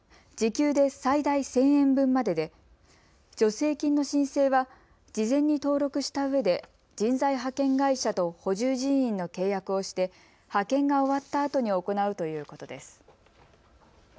時給で最大１０００円分までで助成金の申請は事前に登録したうえで人材派遣会社と補充人員の契約をして派遣が終わったあとに行うということです。